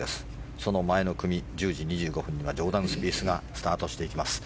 その前の組、１０時２５分にはジョーダン・スピースがスタートしていきます。